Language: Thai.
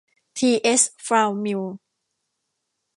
ที เอส ฟลาวมิลล์